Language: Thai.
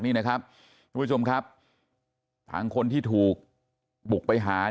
ทุกผู้ชมครับทางคนที่ถูกบุกไปหา